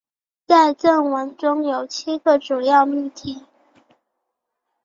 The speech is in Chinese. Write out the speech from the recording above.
在正文中有七个主要命题。